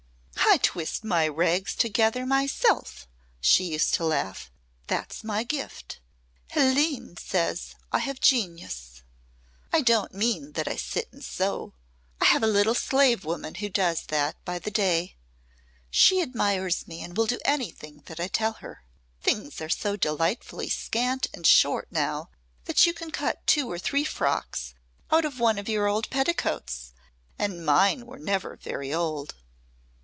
"I twist my rags together myself," she used to laugh. "That's my gift. Hélène says I have genius. I don't mean that I sit and sew. I have a little slave woman who does that by the day. She admires me and will do anything that I tell her. Things are so delightfully scant and short now that you can cut two or three frocks out of one of your old petticoats and mine were never very old."